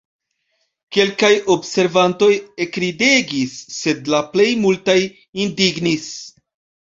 Kelkaj observantoj ekridegis, sed la plej multaj indignis.